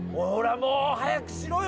もう早くしろよ